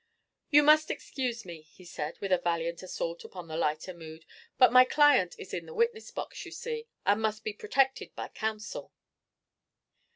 "You must excuse me," he said with a valiant assault upon the lighter mood, "but my client is in the witness box, you see, and must be protected by counsel."